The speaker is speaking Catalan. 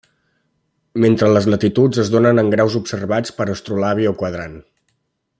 Mentre les latituds es donen en graus observats per astrolabi o quadrant.